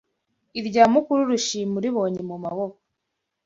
Irya mukuru urishima uribonye mumaboko